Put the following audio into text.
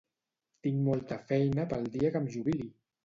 Tinc molta feina pel dia que em jubili!